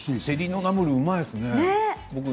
せりのナムルうまいですね。